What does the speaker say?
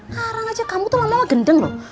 karang aja kamu tuh lama lama gendeng loh